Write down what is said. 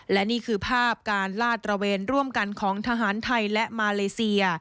และนี่คือภาพการลาดตระเวนร่วมกันของทหารไทยและมาเลเซีย